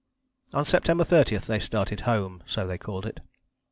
On September 30 they started home so they called it.